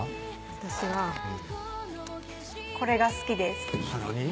私はこれが好きですそれ何？